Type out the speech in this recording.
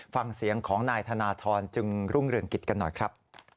ฟังเสียงของนายธนทรจึงรุ่งเรืองกิจกันหน่อยครับ